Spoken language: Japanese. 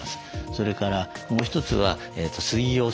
それからもう一つは水溶性食物繊維。